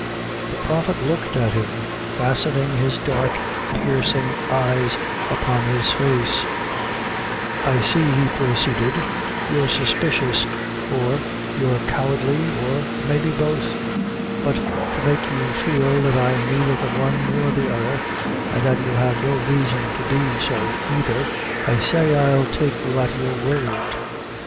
The Prophet looked at him, fastening his dark piercing eyes upon his face "I see," he proceeded, "you're suspicious or you're cowardly, or maybe both; but to make you feel that I'm neither the one nor the other, and that you have no raison to be so either, I say I'll take you at your word.